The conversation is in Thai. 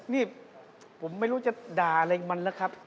นี่ผมไม่รู้จะด่าอะไรมันแล้วครับ